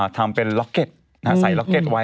ทำเป็นล็อกเก็ตใส่ล็อกเก็ตไว้